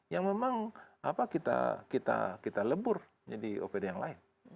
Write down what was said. yang memang kita lebur jadi opd yang lain